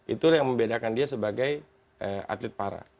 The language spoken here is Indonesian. itu yang membedakan dia sebagai atlet para